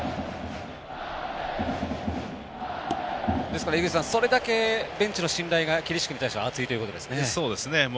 ですから、それだけベンチの信頼が桐敷に対しては厚いということですね。